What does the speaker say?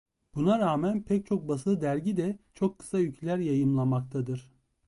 Buna rağmen pek çok basılı dergi de çok kısa öyküler yayımlamaktadır.